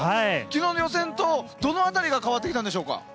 昨日の予選とどのあたりが変わってきたんでしょうか？